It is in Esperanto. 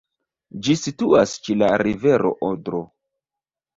Ĝi situas ĉe la rivero Odro.